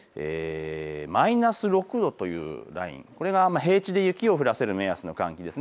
マイナス６度というライン、これがも平地で雪を降らせる目安の寒気です。